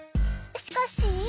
しかし。